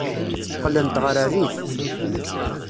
Qqlent ɣer rrif.